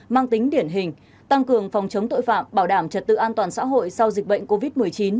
mang tính điển hình tăng cường phòng chống tội phạm bảo đảm trật tự an toàn xã hội sau dịch bệnh covid một mươi chín